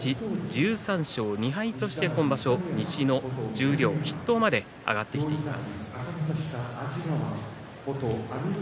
１３勝２敗として今場所、西の十両筆頭まで上がってきています。